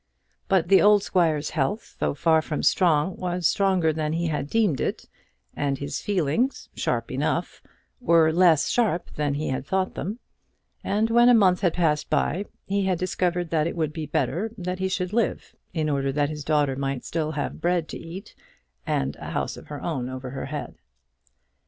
But the old squire's health, though far from strong, was stronger than he had deemed it, and his feelings, sharp enough, were less sharp than he had thought them; and when a month had passed by, he had discovered that it would be better that he should live, in order that his daughter might still have bread to eat and a house of her own over her head.